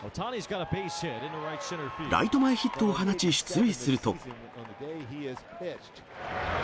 ライト前ヒットを放ち、出塁すると。